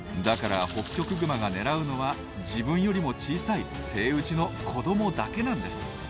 だからホッキョクグマが狙うのは自分よりも小さいセイウチの子どもだけなんです。